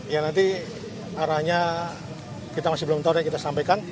ya nanti arahnya kita masih belum tahu dan kita sampaikan